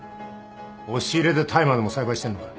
押し入れで大麻でも栽培してんのか。